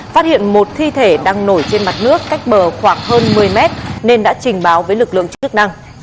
phát hiện một thi thể đang nổi trên mặt nước cách bờ khoảng hơn một mươi mét nên đã trình báo với lực lượng chức năng